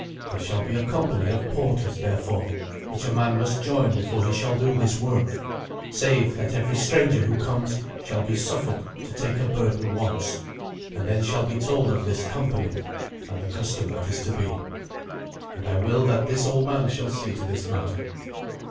There shall be a company of porters, therefore, which a man must join before he shall do this work, save that every stranger who comes shall be suffered to take a burden once, and then shall be told of this company, and the custom that is to be. And I will that this old man shall see to this matter."